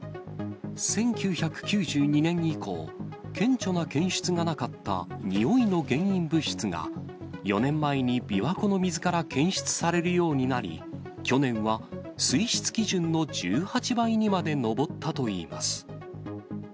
１９９２年以降、顕著な検出がなかった臭いの原因物質が、４年前に琵琶湖の水から検出されるようになり、去年は水質基準の１８倍にまで上ったといいます。